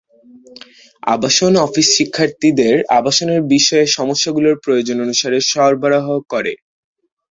আবাসন অফিস শিক্ষার্থীদের আবাসনের বিষয়ে সমস্যাগুলোর প্রয়োজন অনুসারে সরবরাহ করে।